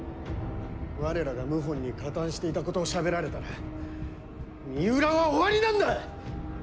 我らが謀反に加担していたことをしゃべられたら三浦は終わりなんだ！